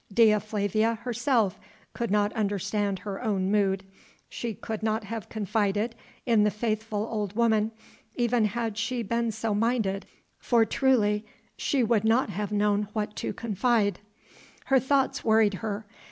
Dea Flavia herself could not understand her own mood. She could not have confided in the faithful old woman, even had she been so minded, for truly she would not have known what to confide. Her thoughts worried her.